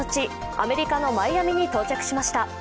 アメリカのマイアミに到着しました。